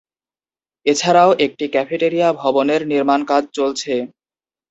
এছাড়াও একটি ক্যাফেটেরিয়া ভবনের নির্মাণ কাজ চলছে।